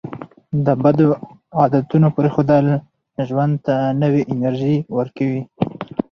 د بدو عادتونو پرېښودل ژوند ته نوې انرژي ورکوي.